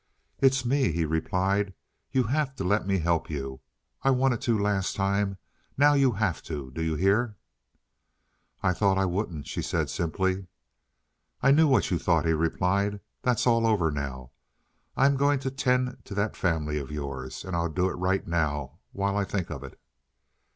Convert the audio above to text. "It's me," he replied. "You have to let me help you. I wanted to last time. Now you have to; do you hear?" "I thought I wouldn't," she said simply. "I knew what you thought," he replied. "That's all over now. I'm going to 'tend to that family of yours. And I'll do it right now while I think of it."